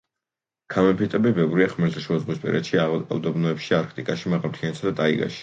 ქამეფიტები ბევრია ხმელთაშუაზღვისპირეთში, უდაბნოებში, არქტიკაში, მაღალ მთიანეთსა და ტაიგაში.